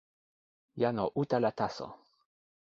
jan o utala taso.